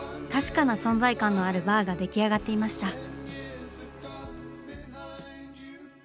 確かな存在感のあるバーが出来上がっていました。